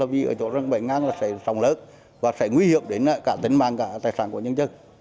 vì ở chỗ rừng bảnh an là sẽ sòng lớn và sẽ nguy hiểm đến cả tính mạng cả tài sản của nhân dân